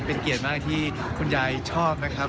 ทำเป็นเกลียดมากที่คนยายชอบนะครับ